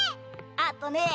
あとね。